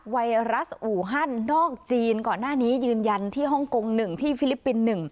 ไรอูฮันนอกจีนก่อนหน้านี้ยืนยันที่ฮ่องกง๑ที่ฟิลิปปินส์๑